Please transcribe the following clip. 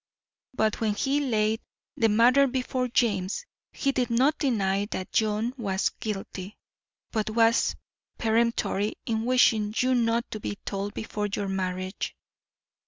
But when he laid the matter before James, he did not deny that John was guilty, but was peremptory in wishing you not to be told before your marriage.